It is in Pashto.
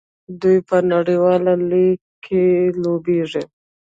دوی په نړیوال لیګ کې لوبېږي.